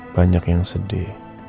banyak yang sedih